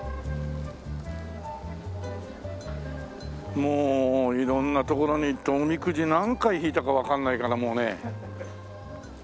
もう色んな所に行っておみくじ何回引いたかわからないからもうね。